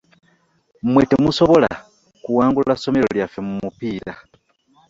Mwe temusobola kuwangula ssomero lyaffe mu mupiira.